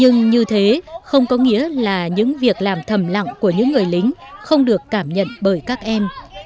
nhưng như thế không có nghĩa là những việc làm thầm lặng của những người lính không được cảm nhận bởi các em